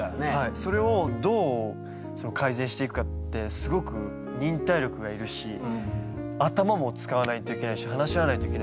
それをどう改善していくかってすごく忍耐力がいるし頭も使わないといけないし話し合わないといけないし。